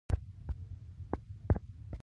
دهمسایه سره کومک کول ثواب لري